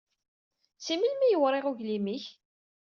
Si melmi i yewriɣ uglim--ik?